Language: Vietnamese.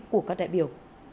của các đại biểu